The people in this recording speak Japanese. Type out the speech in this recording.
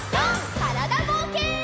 からだぼうけん。